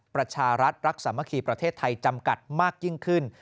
ประชารัฐรักสามัคคีประเทศไทยจำกัดมากยิ่งขึ้น